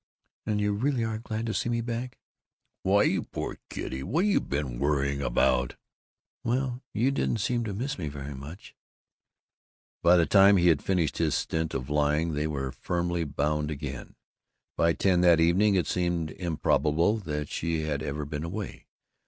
"And you really are glad to see me back?" "Why, you poor kiddy, what you been worrying about?" "Well, you didn't seem to miss me very much." By the time he had finished his stint of lying they were firmly bound again. By ten that evening it seemed improbable that she had ever been away.